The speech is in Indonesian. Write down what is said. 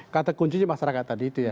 kata kuncinya masyarakat tadi itu ya